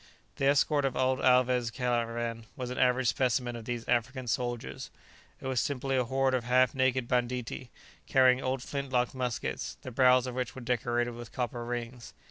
The escort of old Alvez' caravan was an average specimen of these African soldiers. It was simply a horde of half naked banditti, carrying old flint locked muskets, the barrels of which were decorated with copper rings.